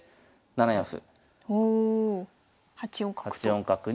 ８四角と。